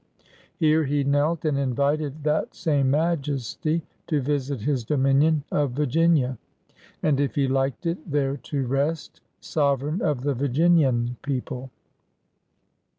Here he knelt, and invited that same Majesty to visit his dominion of Virginia, and, if he liked it, there to rest, sovereign of the Virginian people.